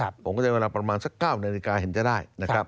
ผมก็จะเวลาประมาณสัก๙นาฬิกาเห็นจะได้นะครับ